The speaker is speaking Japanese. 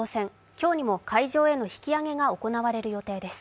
今日にも海上への引き揚げが行われる予定です。